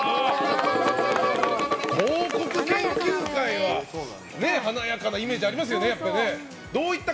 広告研究会は華やかなイメージありますよね。